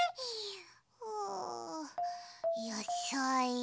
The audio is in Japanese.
うやさい。